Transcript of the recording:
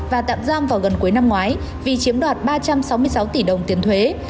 và tạm giam vào gần cuối năm ngoái vì chiếm đoạt ba trăm sáu mươi sáu tỷ đồng tiền thuế